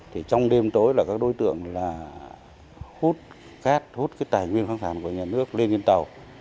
trong đêm tối là các đối tượng hút cát hút cái tài nguyên kháng sản của nhà nước lên tàu